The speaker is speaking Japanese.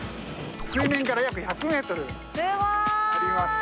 水面から約１００メートルあります。